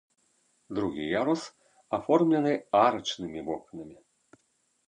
Другі ярус аформлены арачнымі вокнамі.